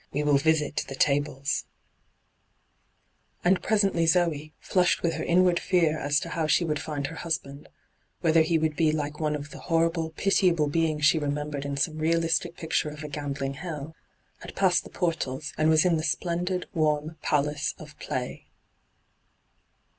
We will visit the hyGoogIc ENTRAPPED 187 And presently Zoe> flashed with her inward fear as to how she would find her hushand — whether he would be like one of the horrible, pitiable beings she remembered in some reahstic picture of a gambling heU — had passed the portals, and was in l^e splendid, wa^'m, silent palace of Play.